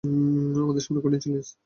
আমাদের সামনে কঠিন চ্যালেঞ্জ।